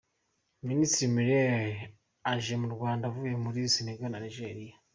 Minisitiri Müller aje mu Rwanda avuye muri Senegal na Niger.